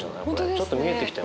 ちょっと見えてきたよね。